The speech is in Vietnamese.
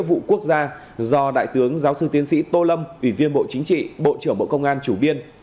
thượng tướng giáo sư tiến sĩ tô lâm ủy viên bộ chính trị bộ trưởng bộ công an chủ biên